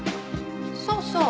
そうそう。